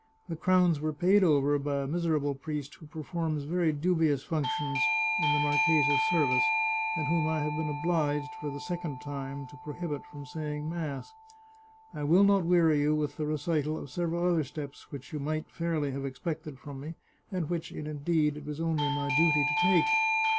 The crowns were paid over by a miserable priest who performs very dubious functions in the marchesa's service, and whom I have been obliged, for the second time, to prohibit from saying mass. I will not weary you with the recital of several other steps which you might fairly have expected from me, and which, indeed, it was only my duty to take.